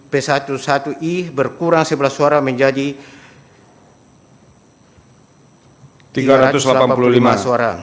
p satu i berkurang sebelas suara menjadi tiga ratus delapan puluh lima suara